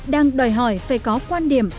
đang đòi hỏi phải có quan điểm